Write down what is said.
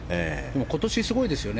今年すごいですよね。